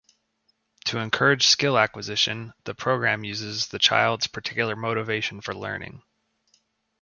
To encourage skill acquisition, the program uses the child's particular motivation for learning.